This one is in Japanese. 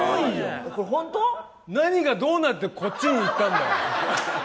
何がどうなって、こっちにいったんだ？